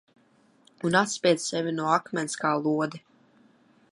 Un atspied sevi no akmens kā lodi!